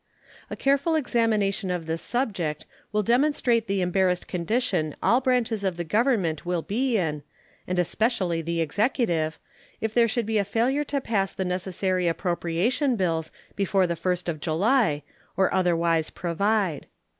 A careful examination of this subject will demonstrate the embarrassed condition all branches of the Government will be in, and especially the executive, if there should be a failure to pass the necessary appropriation bills before the 1st of July, or otherwise provide.